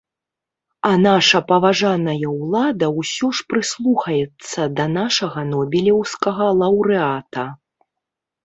А наша паважаная ўлада ўсё ж прыслухаецца да нашага нобелеўскага лаўрэата.